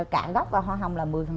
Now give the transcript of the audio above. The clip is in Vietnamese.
cả gốc và hoa hồng là một mươi